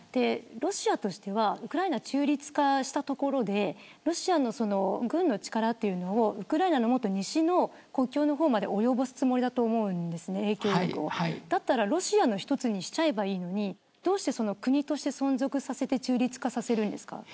ロシアとしてはウクライナを中立にしたところでロシア軍の力をウクライナの西の国境の方まで及ぼすつもりだと思うんです影響力をだったらロシアの一つにしてしまえばいいのにどうして国として存続させて中立化させるんですか。